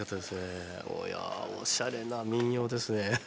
いやおしゃれな民謡ですね。